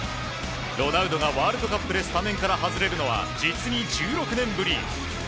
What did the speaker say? ロナウドがワールドカップでスタメンから外れるのは実に１６年ぶり。